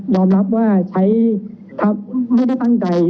อมรับว่าใช้ไม่ได้ตั้งใจ